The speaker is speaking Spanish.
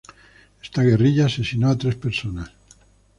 Esta guerrilla asesinó a tres personas.